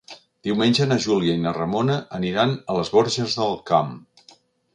Diumenge na Júlia i na Ramona aniran a les Borges del Camp.